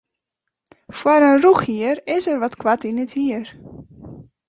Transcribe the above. Foar in rûchhier is er wat koart yn it hier.